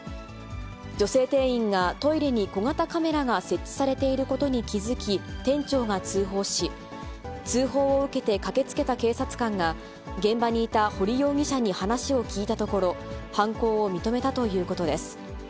女性店員がトイレに小型カメラが設置されていることに気付き、店長が通報し、通報を受けて駆けつけた警察官が、現場にいた堀容疑者に話を聞いたところ、犯行を認めたということです。